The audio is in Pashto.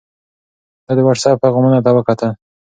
ده د وټس اپ پیغامونو ته وکتل.